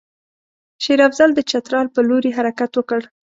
شېر افضل د چترال پر لوري حرکت وکړ.